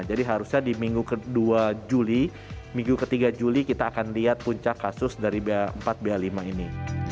jadi harusnya di minggu ke dua juli minggu ke tiga juli kita akan lihat puncak kasus dari ba empat ba lima ini